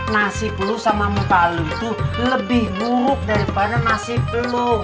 nasib lo sama muka lo tuh lebih buruk daripada nasib lo